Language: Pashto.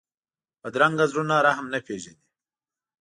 بدرنګه زړونه رحم نه پېژني